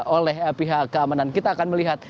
oleh pihak keamanan kita akan melihat